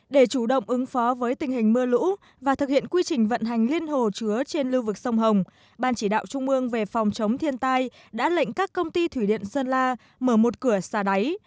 để chủ động ứng phó với tình hình mưa lũ và thực hiện quy trình vận hành liên hồ chứa trên lưu vực sông hồng ban chỉ đạo trung ương về phòng chống thiên tai đã lệnh các công ty thủy điện sơn la mở một cửa xà đáy